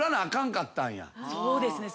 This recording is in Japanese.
そうですね。